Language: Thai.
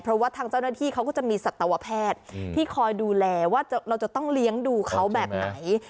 เพราะว่าทางเจ้าหน้าที่เขาก็จะมีสัตวแพทย์ที่คอยดูแลว่าเราจะต้องเลี้ยงดูเขาแบบไหน